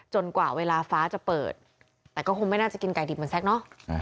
กว่าเวลาฟ้าจะเปิดแต่ก็คงไม่น่าจะกินไก่ดิบเหมือนแซ็กเนอะ